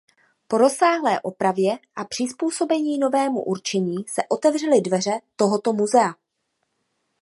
Po rozsáhlé opravě a přizpůsobení novému určení se otevřely dveře tohoto musea.